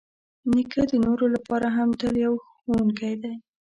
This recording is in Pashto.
نیکه د نورو لپاره هم تل یو ښوونکی دی.